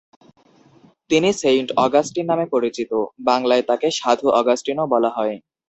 তিনি saint Augustine নামে পরিচিত, বাংলায় তাকে সাধু অগাস্টিনও বলা হয়।